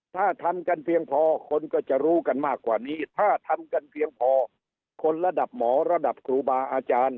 ถ้าทำกันเพียงพอคนก็จะรู้กันมากกว่านี้ถ้าทำกันเพียงพอคนระดับหมอระดับครูบาอาจารย์